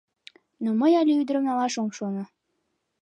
Но мый але ӱдырым налаш ом шоно.